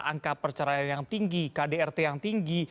angka perceraian yang tinggi kdrt yang tinggi